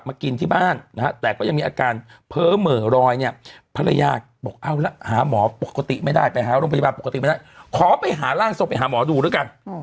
ปกติไม่ได้ไปหาโรงพยาบาลปกติไม่ได้ขอไปหาร่างส่งไปหาหมอดูด้วยกัน